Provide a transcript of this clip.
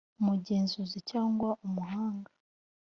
umugenzuzi cyangwa umuhanga